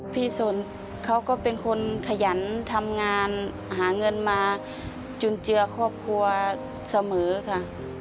สนเขาก็เป็นคนขยันทำงานหาเงินมาจุนเจือครอบครัวเสมอค่ะ